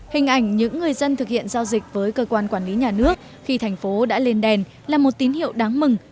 hình ảnh những người dân thực hiện giao dịch với cơ quan quản lý nhà nước khi thành phố đã lên đèn là một tín hiệu đáng mừng